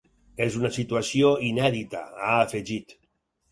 És una situació inèdita, ha afegit.